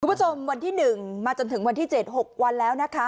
คุณผู้ชมวันที่๑มาจนถึงวันที่๗๖วันแล้วนะคะ